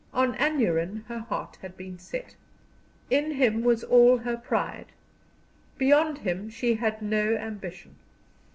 On Aneurin her heart had been set, in him was all her pride. Beyond him she had no ambition.